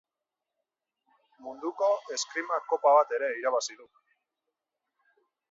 Munduko Eskrima Kopa bat ere irabazi du.